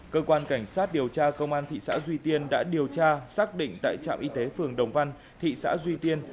cơ quan cảnh sát điều tra công an thị xã duy tiên đã điều tra xác định tại trạm y tế phường đồng văn thị xã duy tiên